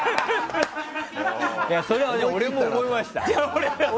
それは俺も思いました。